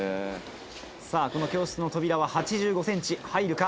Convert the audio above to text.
さぁこの教室の扉は８５ｃｍ入るか？